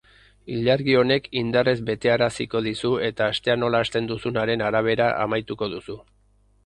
Ilargi honek indarrez betearaziko dizu eta astea nola hasten duzunaren arabera amaituko duzu.